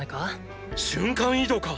瞬間移動か！！